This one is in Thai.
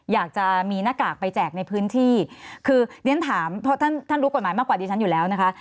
อยากจะมีหน้ากากไปแจกในพื้นที่คือเรียนถามเพราะท่านท่านรู้กฎหมายมากกว่าดิฉันอยู่แล้วนะคะ